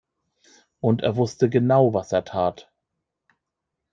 Und er wusste genau, was er tat.